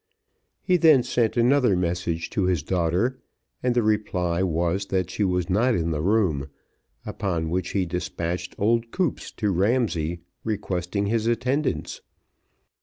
He then sent another message to his daughter, and the reply was that she was not in the room, upon which he despatched old Koop to Ramsay, requesting his attendance.